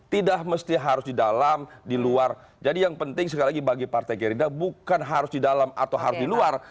tidak mesti harus di dalam di luar jadi yang penting sekali lagi bagi partai gerindra bukan harus di dalam atau harus di luar